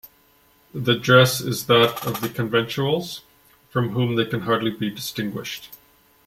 The dress is that of the Conventuals, from whom they can hardly be distinguished.